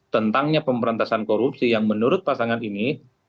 tentangnya pemberantasan korupsi yang menurut pasangan ini